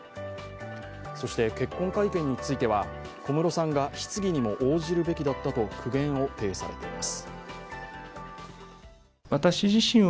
そして結婚会見については、小室さんが質疑にも応じるべきだったと苦言を呈されています。